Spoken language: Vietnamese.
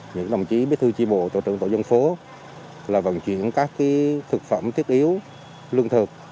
những đồng chí bí thư tri bộ tổ trưởng tổ dân phố là vận chuyển các thực phẩm thiết yếu lương thực